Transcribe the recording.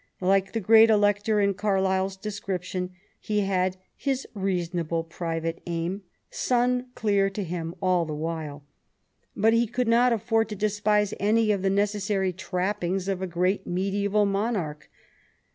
Like the great Elector in Carlyle's description, he had "his reasonable private aim sun clear to him all the while "; but he could not afford to despise any of the necessary trappings of a great medieval monarch.